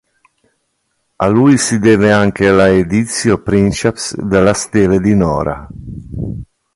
A lui si deve anche la "editio princeps" della Stele di Nora.